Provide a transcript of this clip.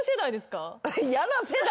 嫌な世代。